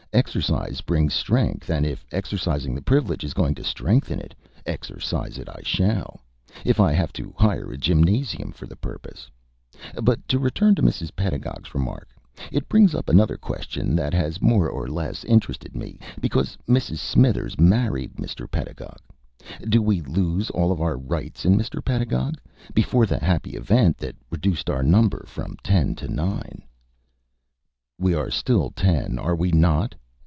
"Exercise brings strength, and if exercising the privilege is going to strengthen it, exercise it I shall, if I have to hire a gymnasium for the purpose. But to return to Mrs. Pedagog's remark. It brings up another question that has more or less interested me. Because Mrs. Smithers married Mr. Pedagog, do we lose all of our rights in Mr. Pedagog? Before the happy event that reduced our number from ten to nine " "We are still ten, are we not?"